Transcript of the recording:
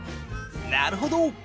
なるほど！